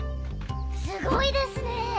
すごいですね！